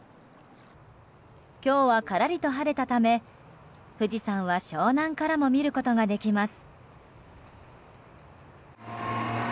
今日はからりと晴れたため富士山は湘南からも見ることができます。